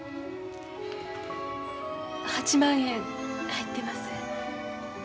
８万円入ってます。